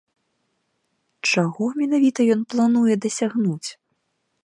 Чаго менавіта ён плануе дасягнуць?